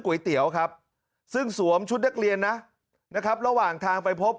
เตี๋ยวครับซึ่งสวมชุดนักเรียนนะนะครับระหว่างทางไปพบ